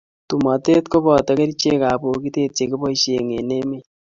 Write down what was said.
tomote ko boto kerchekab bokite che kiboisien eng' emet.